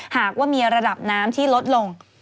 หากว่ามีระดับน้ำที่ลดลง